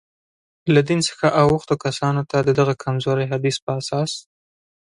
له دین څخه اوښتو کسانو ته، د دغه کمزوري حدیث په اساس.